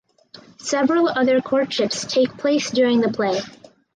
Several other courtships take place during the play.